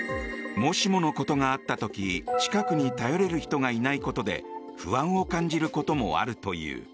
もしものことがあった時近くに頼れる人がいないことで不安を感じることもあるという。